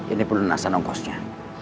ini penelunasan ongkosnya